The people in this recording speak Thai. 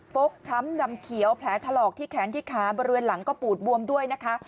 ฟกช้ำดำเขียวแผลถลอกที่แขนที่ขาบริเวณหลังก็ปูดบวมด้วยนะคะ